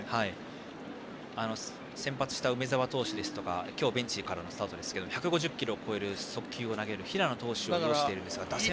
先発した梅澤投手とか今日ベンチからのスタートですが１５０キロを超える速球を持っている平野投手を擁していますが。